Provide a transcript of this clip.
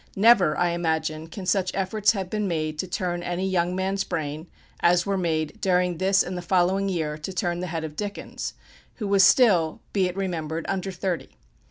Never, I imagine, can such efforts have been made to turn any young man's brain, as were made, during this and the following year, to turn the head of Dickens, who was still, be it remembered, under thirty.